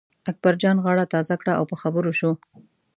اکبرجان غاړه تازه کړه او په خبرو شو.